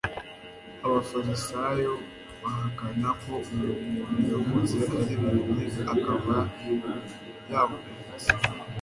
Abafarisayo bahakana ko uwo muntu yavutse ari impumyi akaba yahumutse.